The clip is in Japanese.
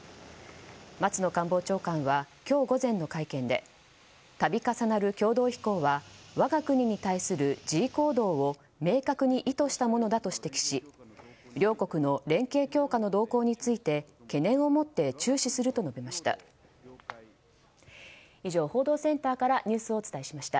松野官房長官は今日午前の会見で度重なる共同飛行は我が国に対する示威行動を明確に意図したものだと指摘し両国の連携強化の動向について懸念を持って注視すると述べました。